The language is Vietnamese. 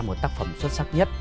một tác phẩm xuất sắc nhất